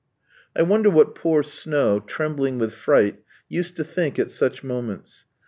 I wonder what poor Snow, trembling with fright, used to think at such moments.